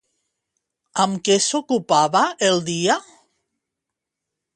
Amb què s'ocupava el dia?